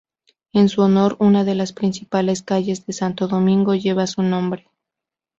En su honor una de las principales calles de Santo Domingo lleva su nombre.